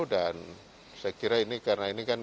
dan saya kira ini karena ini kan